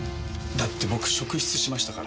だって僕職質しましたから。